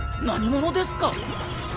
何者ですか？